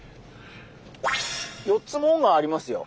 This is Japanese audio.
４つ紋がありますよ。